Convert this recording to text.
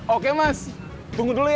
oke mas tunggu dulu ya